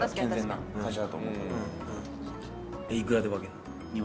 いくらで分けんの？